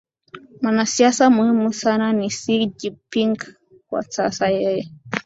Mwanasiasa muhimu sana ni Xi Jimping na kwa sasa yeye